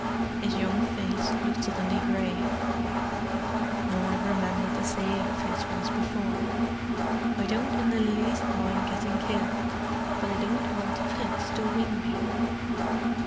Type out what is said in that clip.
His young face looked suddenly grave; Norah remembered a saying of his once before—"I don't in the least mind getting killed, but I don't want Fritz to wing me."